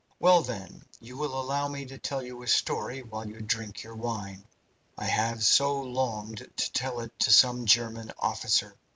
Well, then, you will allow me to tell you a story while you drink your wine. I have so longed to tell it to some German officer.